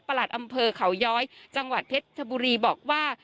หลัดอำเภอเขาย้อยจังหวัดเพชรชบุรีบอกว่า